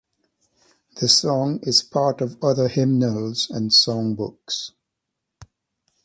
The song is part of other hymnals and songbooks.